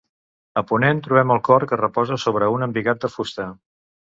A ponent trobem el cor que reposa sobre un embigat de fusta.